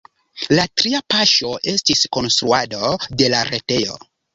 La tria paŝo estis konstruado de la retejo.